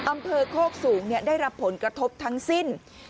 อำเภอโคกสูงได้รับผลกระทบทั้งสิ้น